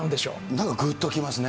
なんかぐっときますね。